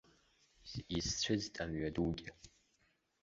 Исцәыӡт амҩадугьы.